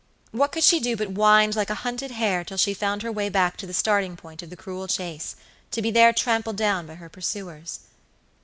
What could she do but wind like a hunted hare till she found her way back to the starting point of the cruel chase, to be there trampled down by her pursuers?